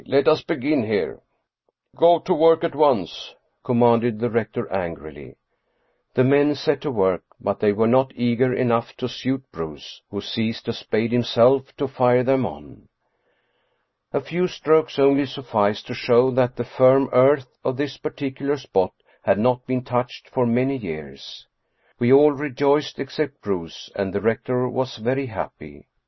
Let us begin here." " Go to work at once/' commanded the rector angrily. The men set to work, but they were not eager enough to suit Bruus, who seized a spade himself to fire them on. A few strokes only sufficed to show that the firm earth of this particular spot had not been touched for many years. We all rejoiced except Bruus and the rector was very happy.